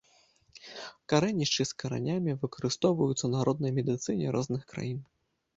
Карэнішчы з каранямі выкарыстоўваюцца ў народнай медыцыне розных краін.